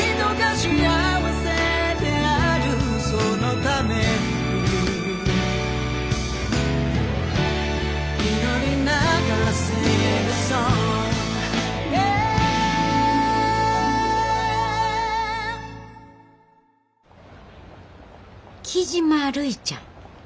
雉真るいちゃん。